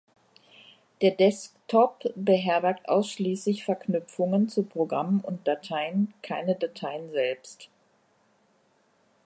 Der Desktop beherbergt ausschließlich Verknüpfungen zu Programmen und Dateien, keine Dateien selbst.